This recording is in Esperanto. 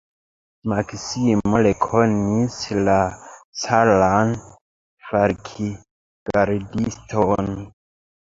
Maksimo rekonis la caran falkgardiston.